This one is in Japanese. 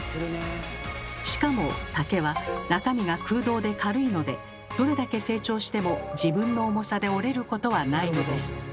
しかも竹は中身が空洞で軽いのでどれだけ成長しても自分の重さで折れることはないのです。